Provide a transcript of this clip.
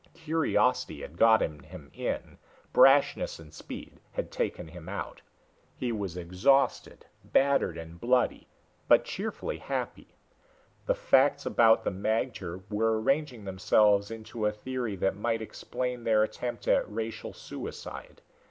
Curiosity had gotten him in, brashness and speed had taken him out. He was exhausted, battered and bloody but cheerfully happy. The facts about the magter were arranging themselves into a theory that might explain their attempt at racial suicide.